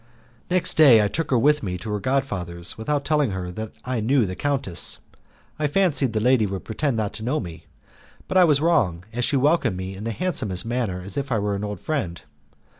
Next day I took her with me to her god father's without telling her that I knew the countess. I fancied the lady would pretend not to know me, but I was wrong, as she welcomed me in the handsomest manner as if I were an old friend.